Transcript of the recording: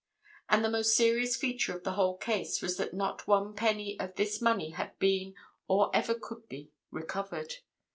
And the most serious feature of the whole case was that not one penny of this money had been, or ever could be, recovered.